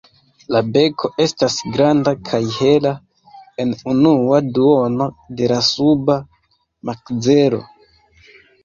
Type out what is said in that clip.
La beko estas granda kaj hela en unua duono de la suba makzelo.